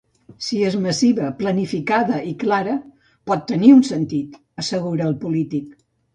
Si és massiva, planificada i clara, pot tenir un sentit, assegura el polític.